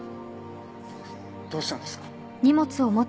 どうしたんですか？